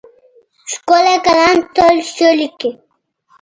ښکلی قلم تل ښه لیکي.